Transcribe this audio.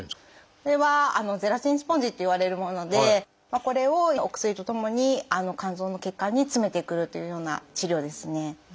これはゼラチンスポンジっていわれるものでこれをお薬とともに肝臓の血管に詰めてくるというような治療ですね。